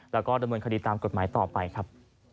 แล้วก็ดำเนินคดีตามกฎหมายต่อไปครับ